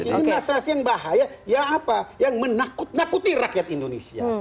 ini nasasi yang bahaya yang apa yang menakut nakuti rakyat indonesia